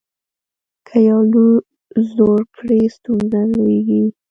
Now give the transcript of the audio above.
که یو لور زور کړي ستونزه لویېږي.